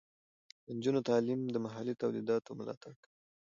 د نجونو تعلیم د محلي تولیداتو ملاتړ کوي.